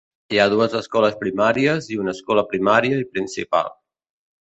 Hi ha dues escoles primàries i una escola primària i principal.